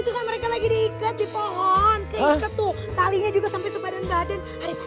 itu mereka lagi diikat di pohon ketuk talinya juga sampai ke badan badan